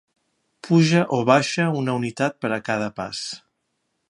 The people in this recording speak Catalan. Puja o baixa una unitat per a cada pas.